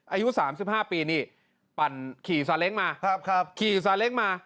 อายุ๓๕ปีนี่ปั่นขี่สาเล็กมา